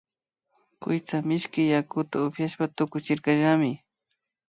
Kuytsa mishki yakuta upiashpa tukuchirkallami